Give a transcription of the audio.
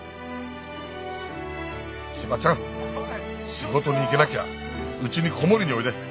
仕事に行けなきゃうちに子守りにおいで」